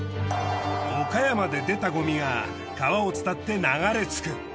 岡山で出たごみが川を伝って流れ着く。